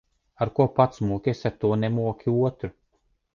Ar ko pats mokies, ar to nemoki otru.